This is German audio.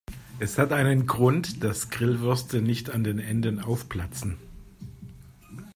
Es hat einen Grund, dass Grillwürste nicht an den Enden aufplatzen.